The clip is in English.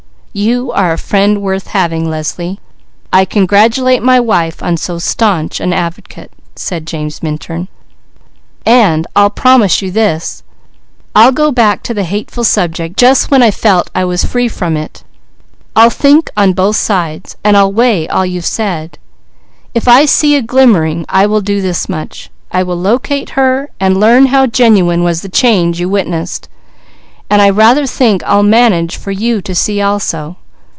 "You are a friend worth having, Leslie; I congratulate my wife on so staunch an advocate," said James Minturn. "And I'll promise you this: I'll go back to the hateful subject, just when I felt I was free from it. I'll think on both sides, and I'll weigh all you've said. If I see a glimmering, I will do this much I will locate her, and learn how genuine was the change you witnessed, and I rather think I'll manage for you to see also.